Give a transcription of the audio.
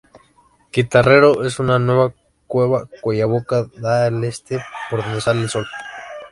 Guitarrero es una cueva cuya boca da al este, por "donde sale el Sol".